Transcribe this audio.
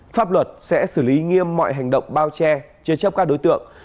pháp luật sẽ xử lý nghiêm mọi hành động bao che chế chấp các đối tượng